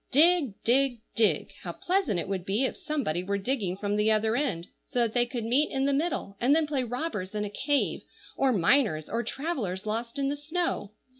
Dig! dig! dig! How pleasant it would be if somebody were digging from the other end, so that they could meet in the middle, and then play robbers in a cave, or miners, or travellers lost in the snow.